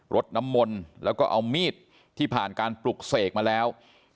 ดน้ำมนต์แล้วก็เอามีดที่ผ่านการปลุกเสกมาแล้ว